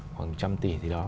khoảng một trăm linh tỷ gì đó